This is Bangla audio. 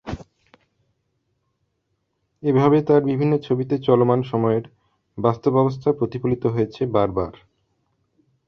এভাবে তাঁর বিভিন্ন ছবিতে চলমান সময়ের বাস্তব অবস্থা প্রতিফলিত হয়েছে বারবার।